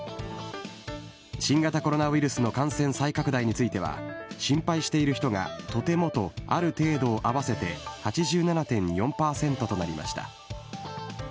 新型コロナウイルスの感染再拡大については、心配している人が、とてもとある程度を合わせて８７．４％となりました。